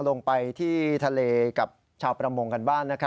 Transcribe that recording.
ลงไปที่ทะเลกับชาวประมงกันบ้าน